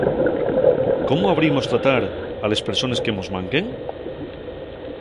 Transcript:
¿Cómo habríemos tratar a les persones que mos manquen?